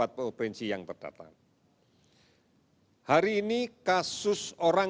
hari ini kasus orang orang yang terdapat di kota kota ini adalah tiga orang